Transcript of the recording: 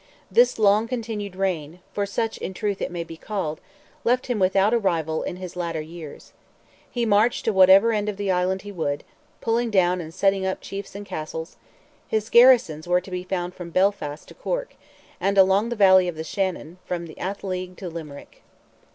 This long continued reign—for such in truth it may be called—left him without a rival in his latter years. He marched to whatever end of the island he would, pulling down and setting up chiefs and castles; his garrisons were to be found from Belfast to Cork, and along the valley of the Shannon, from Athleague to Limerick.